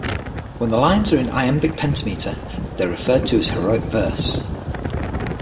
When the lines are in iambic pentameter, they are referred to as heroic verse.